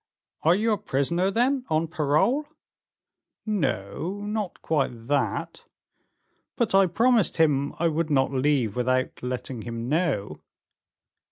"Are you a prisoner, then, on parole?" "No, not quite that. But I promised him I would not leave without letting him know."